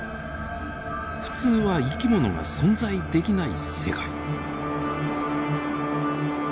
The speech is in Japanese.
普通は生き物が存在できない世界。